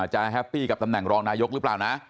แฮปปี้กับตำแหน่งรองนายกหรือเปล่านะ